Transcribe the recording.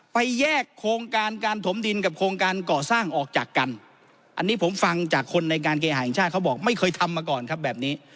ไปแยกโครงการการถมดินกับโครงการก่อสร้างออกจากกันอันนี้ผมฟังจากคนในการเคหาแห่งชาติเขาบอกไม่เคยทำมาก่อนครับแบบนี้